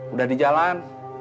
udah di jalan